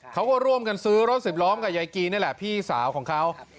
เขาก็ร่วมกันซื้อรถสิบล้อมกับยายกีนี่แหละพี่สาวของเขา